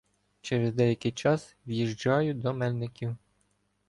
Через деякий час в'їжджаю до Мельників.